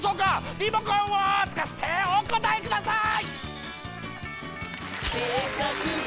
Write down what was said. リモコンを使ってお答えください！